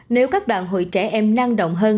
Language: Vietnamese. nếu các đoàn hội trẻ em năng động hơn